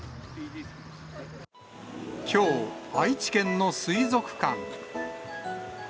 きょう愛知県の水族館。